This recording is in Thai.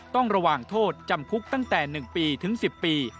ต้องระวังโทษจำคุกตั้งแต่๑ปีถึง๑๐ปี